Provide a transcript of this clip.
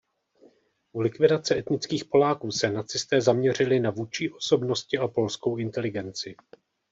U likvidace etnických Poláků se nacisté zaměřili na vůdčí osobnosti a polskou inteligenci.